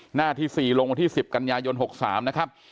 หน้าที่๔ลงวันที่๑๐กันยายน๖๓นะครับ